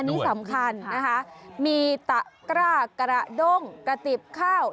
อันนี้สำคัญนะคะมีตะกร้ากระด้งกระติบข้าว